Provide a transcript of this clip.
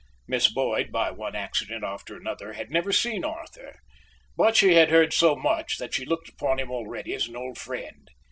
Miss Boyd, by one accident after another, had never seen Arthur, but she had heard so much that she looked upon him already as an old friend.